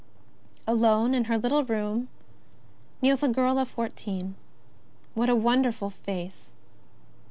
Alone in her little room kneels a girl of fourteen. What a wonderful face